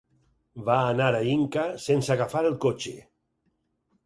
Va anar a Inca sense agafar el cotxe.